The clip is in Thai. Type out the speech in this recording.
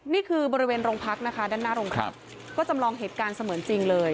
นี่คือบริเวณโรงพักนะคะด้านหน้าโรงพักก็จำลองเหตุการณ์เสมือนจริงเลย